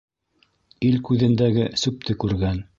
Ил күҙендәге сүпте күргән.